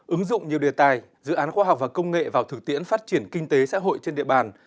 ứng dụng nhiều đề tài dự án khoa học và công nghệ vào thực tiễn phát triển kinh tế xã hội trên địa bàn